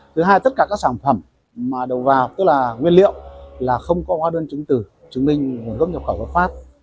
thứ hai tất cả các sản phẩm mà đầu vào tức là nguyên liệu là không có hoa đơn chứng từ chứng minh gốc nhập khỏi quốc pháp